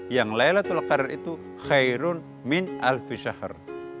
yang laylatul qadr itu khairun min alfisyaher